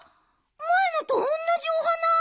まえのとおんなじお花！